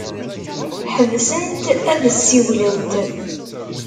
Ḥebsent ad ssiwlent.